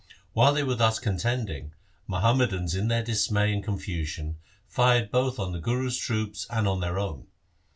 While they were thus contending, Muhammadans in their dismay and confusion fired both on the Guru's troops and on their own.